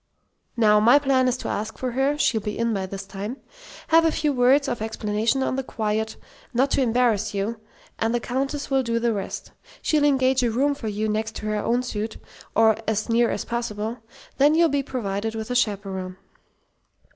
"Now, my plan is to ask for her (she'll be in by this time), have a few words of explanation on the quiet, not to embarrass you; and the Countess will do the rest. She'll engage a room for you next to her own suite, or as near as possible; then you'll be provided with a chaperon."